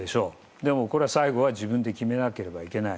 でもこれは、最後は自分で決めなければいけない。